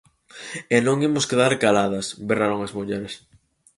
E que non imos quedar caladas, berraron as mulleres.